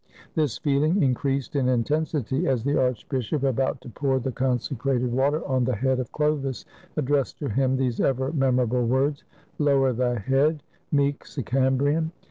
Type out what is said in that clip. This feeHng increased in intensity as the archbishop, about to pour the consecrated water on the head of Chlovis, addressed to him these ever memorable words: "Lower thy head, meek Sicambrian!